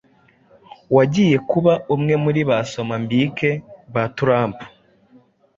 wagiye kuba umwe muri ba somambike ba Trump.